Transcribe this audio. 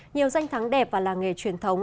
nhiều danh thắng đẹp và làng nghề truyền thống